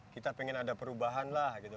kita pengen ada perubahan lah gitu